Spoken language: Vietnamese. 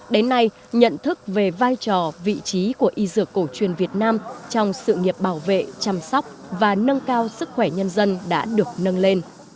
đến nay nhận thức về vai trò vị trí của y dược cổ truyền việt nam trong sự nghiệp bảo vệ chăm sóc và nâng cao sức khỏe nhân dân đã được nâng lên